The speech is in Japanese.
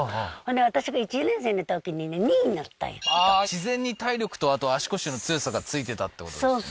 自然に体力とあと足腰の強さがついてたってことですね